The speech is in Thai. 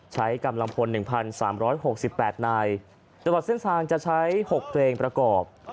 ใช้กำลังพล๑๓๖๘นายตลอดเส้นทางจะใช้๖เพลงประกอบ